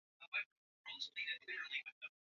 ambapo wanamugambo wa kundi la kigaidi la alqaeda